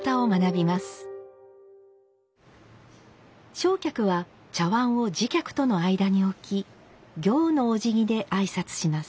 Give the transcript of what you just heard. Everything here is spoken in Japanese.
正客は茶碗を次客との間に置き「行」のおじぎで挨拶します。